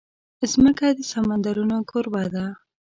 مځکه د سمندرونو کوربه ده.